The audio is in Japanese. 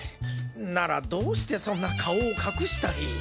ならどうしてそんな顔を隠したり。